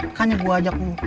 akhirnya gue ajak dulu